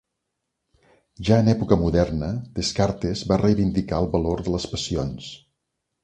Ja en època moderna, Descartes va reivindicar el valor de les passions.